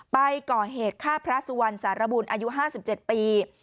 ไปก่อเหตุฆ่าพระสุวรรณสารบุญอายุ๕๗ปี